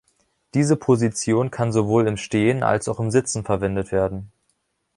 Diese Position kann sowohl im Stehen als auch im Sitzen verwendet werden.